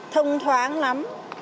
thông thoáng lắm